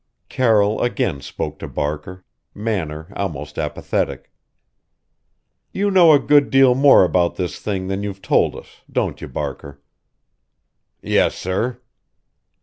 Carroll again spoke to Barker manner almost apathetic "You know a good deal more about this thing than you've told us, don't you Barker?" "Yes, sir."